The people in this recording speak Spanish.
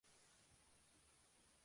Es el barrio más envejecido de Albacete.